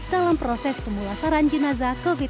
dalam proses pemulasaran jenazah covid sembilan belas